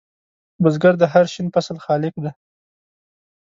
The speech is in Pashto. بزګر د هر شین فصل خالق دی